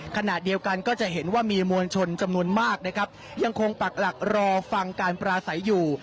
ขนาดเดียวกันก็จะเห็นว่ามีมวลชนจำนวนมากยังคงปรักหลักรอฟังการปลาใสอยู่